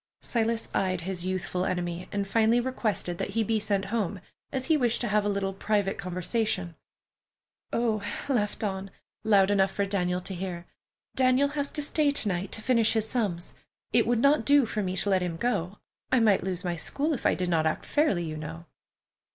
Silas eyed his youthful enemy, and finally requested that he be sent home, as he wished to have a little private conversation. "Oh!" laughed Dawn, loud enough for Daniel to hear. "Daniel has to stay to night to finish his sums. It would not do for me to let him go. I might lose my school if I did not act fairly, you know."